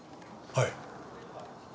はい。